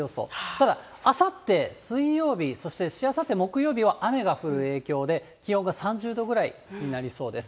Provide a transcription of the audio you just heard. ただ、あさって水曜日、そしてしあさって木曜日は、雨が降る影響で、気温が３０度ぐらいになりそうです。